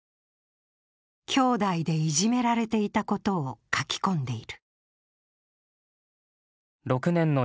兄弟でいじめられていたことを書き込んでいる。